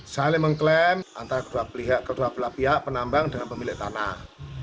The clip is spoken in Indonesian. saling mengklaim antara kedua belah pihak penambang dengan pemilik tanah